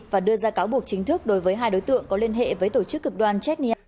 và đưa ra cáo buộc chính thức đối với hai đối tượng có liên hệ với tổ chức cực đoan chernia